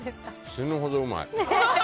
死ぬほどうまい。